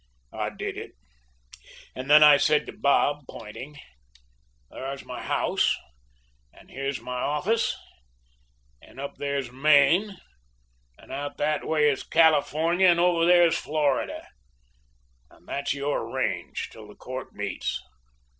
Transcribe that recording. "I did it, and then I said to Bob, pointing: 'There's my house, and here's my office, and up there's Maine, and out that way is California, and over there is Florida and that's your range 'til court meets.